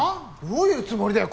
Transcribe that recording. どういうつもりだよ。